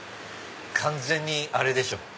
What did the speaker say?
完全にあれでしょ。